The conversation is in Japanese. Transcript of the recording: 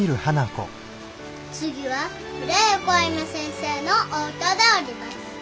次は村岡歩先生のお歌であります。